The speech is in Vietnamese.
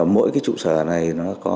mỗi trụ sở này